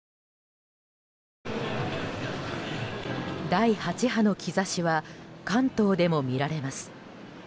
第８波の兆しは関東でも見られます。